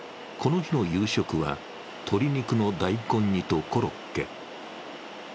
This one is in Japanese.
この日の夕食は鶏肉の大根煮とコロッケ。